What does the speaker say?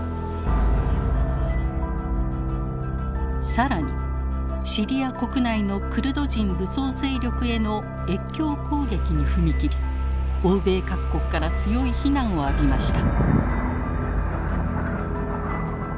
更にシリア国内のクルド人武装勢力への越境攻撃に踏み切り欧米各国から強い非難を浴びました。